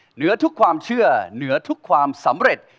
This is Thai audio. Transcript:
เหนือทุกความเชื่อเหนือทุกความสำเร็จ